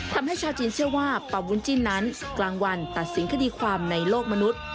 ชาวจีนเชื่อว่าป่าวุ้นจิ้นนั้นกลางวันตัดสินคดีความในโลกมนุษย์